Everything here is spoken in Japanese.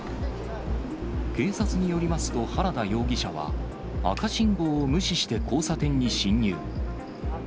警察によりますと、原田容疑者は、赤信号を無視して交差点に進入。